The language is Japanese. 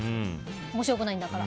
面白くないんだから。